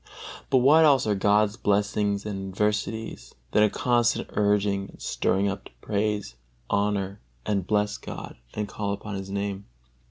But what else are God's blessings and adversities than a constant urging and stirring up to praise, honor, and bless God, and to call upon His Name?